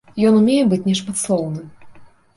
Ён умее быць нешматслоўным.